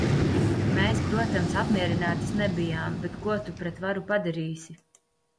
Mēs, protams, apmierinātas nebijām, bet ko tu pret varu padarīsi?